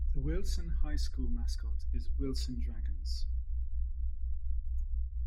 The Wilson High School mascot is Wilson Dragons.